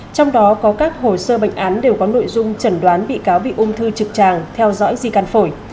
trong đó có các hồ sơ bệnh án đều có nội dung trần đoán vị cáo bị ung thư trực tràng theo dõi di can phổi